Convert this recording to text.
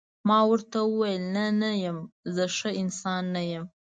ما ورته وویل: نه، نه یم، زه ښه انسان نه یم.